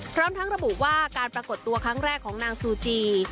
พร้อมทั้งระบุว่าการปรากฏตัวครั้งแรกของนางซูจี